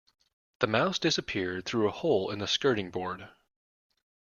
The mouse disappeared through a hole in the skirting board